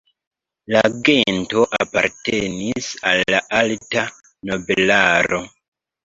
La gento apartenis al la alta nobelaro.